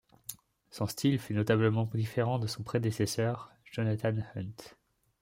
Son style fut notablement différent de son prédécesseur Jonathan Hunt.